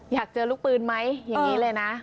อยากเจอลูกปืนไหมอย่างนี้เลยนะ